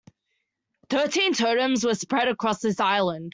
Thirteen totems were spread across this island.